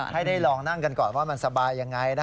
ให้ได้ลองนั่งกันก่อนว่ามันสบายยังไง